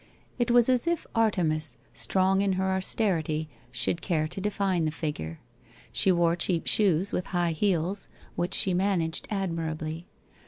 It was as if Artemis, strong in her austerity, should care to define the figure. She wore cheap shoes, with high heels, which she managed admir ably.